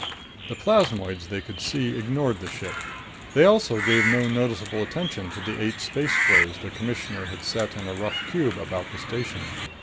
The plasmoids they could see ignored the ship. They also gave no noticeable attention to the eight space flares the Commissioner had set in a rough cube about the station.